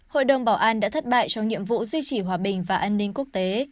hội đồng bảo an đã thất bại trong nhiệm vụ duy trì hòa bình và an ninh quốc tế